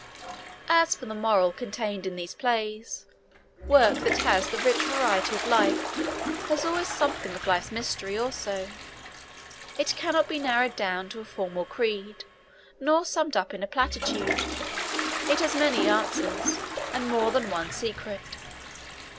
As for the moral contained in these plays, work that has the rich vitality of life has always something of life's mystery also; it cannot be narrowed down to a formal creed, nor summed up in a platitude; it has many answers, and more than one secret.